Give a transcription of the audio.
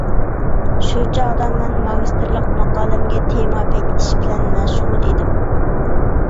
شۇ چاغدا مەن ماگىستىرلىق ماقالەمگە تېما بېكىتىش بىلەن مەشغۇل ئىدىم.